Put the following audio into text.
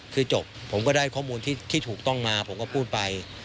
คือจบผมก็ได้ข้อมูลที่ถูกต้องมาผมก็พูดไป